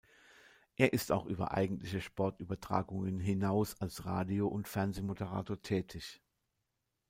Er ist auch über eigentliche Sportübertragungen hinaus als Radio- und Fernsehmoderator tätig.